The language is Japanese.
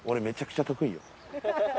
めちゃくちゃ得意よ。